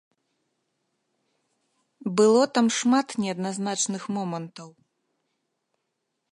Было там шмат неадназначных момантаў.